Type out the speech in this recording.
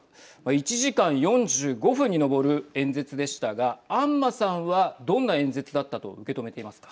１時間４５分に上る演説でしたが安間さんはどんな演説だったと受け止めていますか。